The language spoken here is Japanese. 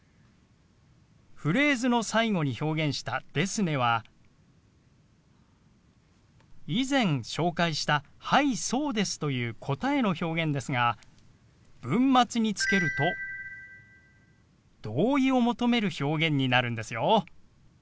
フレーズの最後に表現した「ですね」は以前紹介した「はいそうです」という答えの表現ですが文末につけると同意を求める表現になるんですよ。